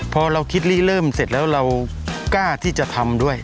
พอเราคิดลี่เริ่มเสร็จแล้วเรากล้าที่จะทำด้วย